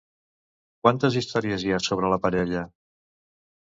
Quantes històries hi ha sobre la parella?